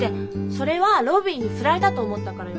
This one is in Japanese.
それはロビーにフラれたと思ったからよ。